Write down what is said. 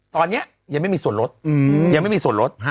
ตอนนี้ยังไม่มีส่วนลด